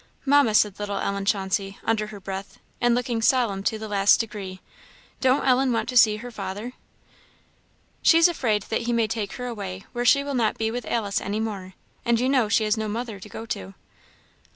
"Mamma!" said little Ellen Chauncey, under her breath, and looking solemn to the last degree "don't Ellen want to see her father?" "She's afraid that he may take her away where she will not be with Alice any more; and you know she has no mother to go to." "Oh!"